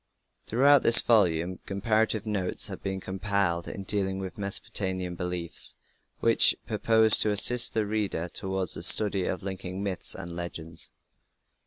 Throughout this volume comparative notes have been compiled in dealing with Mesopotamian beliefs with purpose to assist the reader towards the study of linking myths and legends.